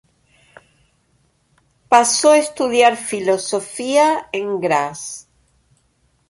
Pasó a estudiar filosofía en Graz.